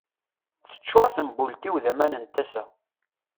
Teččur tembult-iw d aman n tasa.